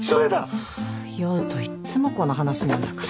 ハァ酔うといっつもこの話なんだから。